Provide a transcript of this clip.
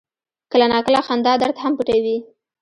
کله ناکله خندا درد هم پټوي.